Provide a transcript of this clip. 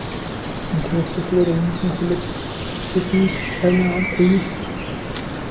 أنتَ لست في وضع يسمح لكي تسأل عن أي شئ.